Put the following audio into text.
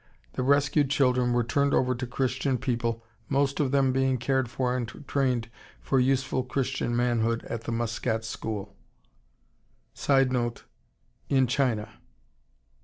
The rescued children were turned over to Christian people, most of them being cared for and trained for useful Christian manhood at the Muscat school. [Sidenote: In China.